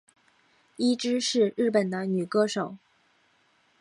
伊织是日本的女歌手。